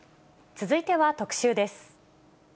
続いては特集です。